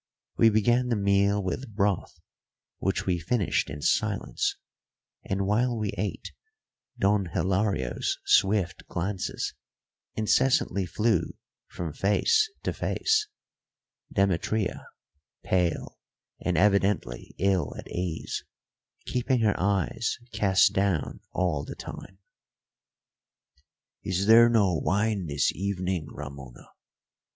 We began the meal with broth, which we finished in silence; and while we ate, Don Hilario's swift glances incessantly flew from face to face; Demetria, pale and evidently ill at ease, keeping her eyes cast down all the time. "Is there no wine this evening, Ramona?"